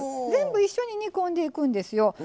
全部一緒に煮込んでいくんですよ。